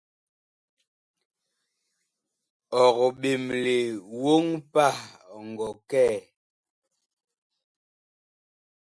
Ɔg ɓemle woŋ pah ɔ ngɔ kɛ?